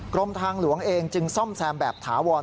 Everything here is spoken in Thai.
กรมทางหลวงเองจึงซ่อมแซมแบบถาวร